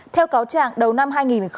theo cáo trạng đầu năm hai nghìn hai mươi hai